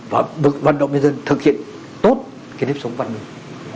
và bục vận động nhân dân thực hiện tốt cái nếp sống văn minh